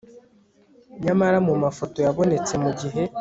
nyamara mumafoto yabonetse mugihe